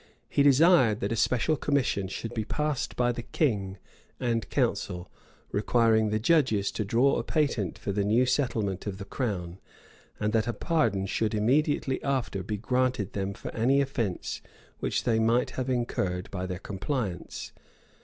He desired that a special commission should be passed by the king and council, requiring the judges to draw a patent for the new settlement of the crown; and that a pardon should immediately after be granted them for any offence which they might have incurred by their compliance.